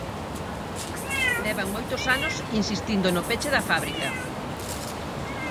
Levan moitos anos insistindo no peche da fábrica.